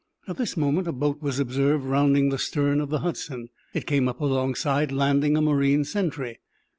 At this moment a boat was observed rounding the stern of the "Hudson." It came up alongside, landing a marine sentry.